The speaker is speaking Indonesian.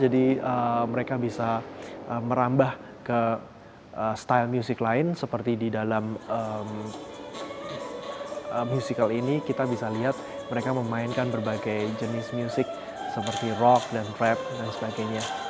jadi mereka bisa merambah ke style music lain seperti di dalam musical ini kita bisa lihat mereka memainkan berbagai jenis music seperti rock dan rap dan sebagainya